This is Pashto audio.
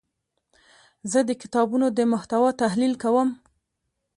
زه د کتابونو د محتوا تحلیل کوم.